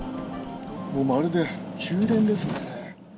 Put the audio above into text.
まるで宮殿ですね。